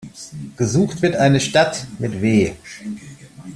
Gesucht wird eine Stadt mit W.